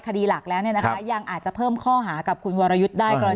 คดีหลักแล้วยังอาจจะเพิ่มข้อหากับคุณวรยุทธ์ได้กรณี